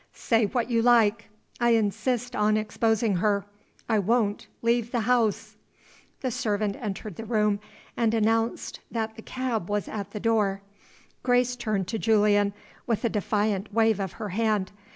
Say what you like, I insist on exposing her; I won't leave the house!" The servant entered the room, and announced that the cab was at the door. Grace turned to Julian with a defiant wave of her hand.